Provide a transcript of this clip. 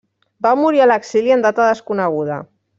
Va morir a l'exili en data desconeguda.